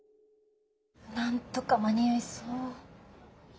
なんとか間に合いそう。